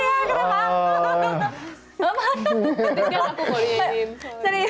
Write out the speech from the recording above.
tidak aku boleh nyanyiin